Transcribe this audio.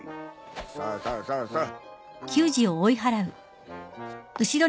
さあさあさあさあ。